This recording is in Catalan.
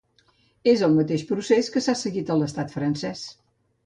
És el mateix procés que s’ha seguit a l’estat francès.